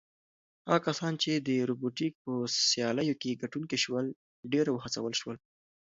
هغه کسان چې د روبوټیک په سیالیو کې ګټونکي شول ډېر وهڅول شول.